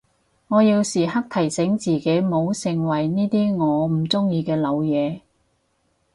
我要時刻提醒自己唔好成為呢啲我唔中意嘅老嘢